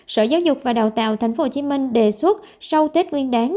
sở giáo dục và đào tạo tp hcm đề xuất sau tết nguyên đáng